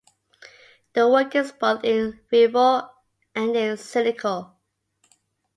The work is both "in vivo" and "in silico".